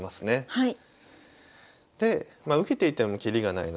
はい。